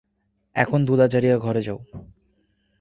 এখন ধূলা ঝাড়িয়া ঘরে যাও।